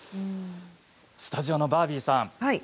スタジオのバービーさん